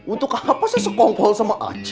untuk apa saya sekongkol sama aceh